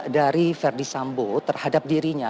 dari verdi sambo terhadap dirinya